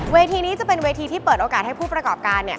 เวทีนี้จะเป็นเวทีที่เปิดโอกาสให้ผู้ประกอบการ